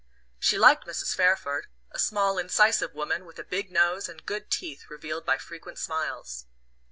She liked Mrs. Fairford, a small incisive woman, with a big nose and good teeth revealed by frequent smiles.